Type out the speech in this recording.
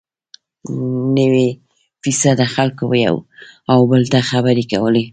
نوي فیصده خلکو یو او بل ته خبرې کولې.